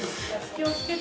気をつけて。